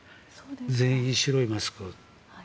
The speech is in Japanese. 全員、白いマスクを。